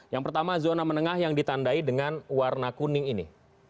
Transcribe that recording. yang pertama zona menengah yang ditandai dengan warna kuning ini